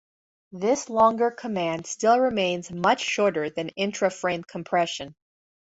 This longer command still remains much shorter than intraframe compression.